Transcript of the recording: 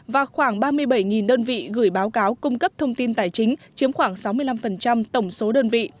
và khoảng ba mươi bảy đơn vị gửi báo cáo cung cấp thông tin tài chính chiếm khoảng sáu mươi năm tổng số đơn vị